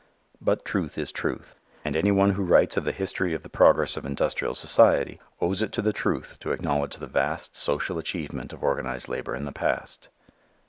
But truth is truth. And any one who writes of the history of the progress of industrial society owes it to the truth to acknowledge the vast social achievement of organized labor in the past.